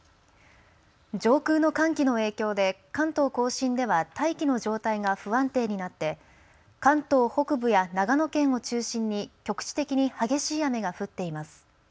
上空の寒気の影響で関東甲信では大気の状態が不安定になって関東北部や長野県を中心に局地的に激しい雨が降っています。